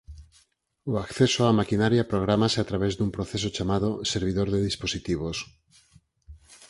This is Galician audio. O acceso á maquinaria prográmase a través dun proceso chamado "Servidor de dispositivos".